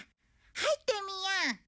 入ってみよう。